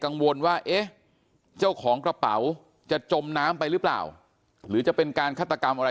กังวลว่าเอ๊ะเจ้าของกระเป๋าจะจมน้ำไปหรือเปล่าหรือจะเป็นการฆาตกรรมอะไร